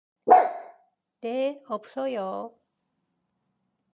네, 없어요.